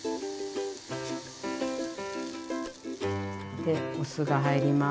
でお酢が入ります。